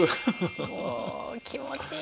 おお気持ちいい！